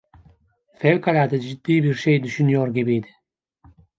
Fevkalade ciddi bir şey düşünüyor gibiydi.